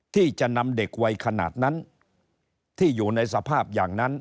ที่จะนำเด็กวัยขนาดนั้นที่อยู่ในสภาพอย่างนั้น